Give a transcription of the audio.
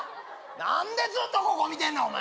何でずっとここ見てんねんお前